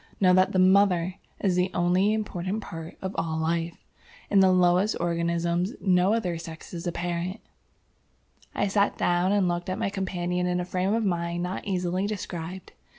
Know that the MOTHER is the only important part of all life. In the lowest organisms no other sex is apparent." I sat down and looked at my companion in a frame of mind not easily described.